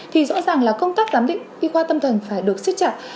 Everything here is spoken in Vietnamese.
thì rõ ràng là công tác giám định y khoa tâm thần phải được siết chặt